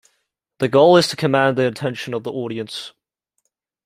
The goal is to command the attention of the audience.